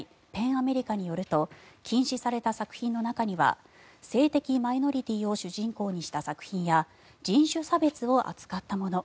・アメリカによると禁止された作品の中には性的マイノリティーを主人公にした作品や人種差別を扱ったもの